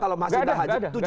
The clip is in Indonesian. kalau mas indah haji